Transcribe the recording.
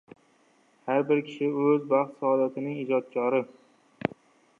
Har bir kishi — o‘z baxt-saodatining ijodkori.